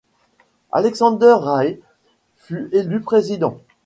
Alexander Rae fut élu président.